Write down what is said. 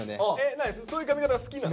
何そういう髪型が好きなの？